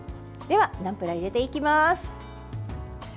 では、ナムプラー入れていきます。